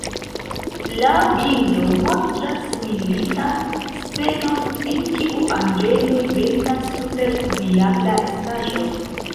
La bildo montras militan scenon en kiu anĝeloj venkas super diabla estaĵo.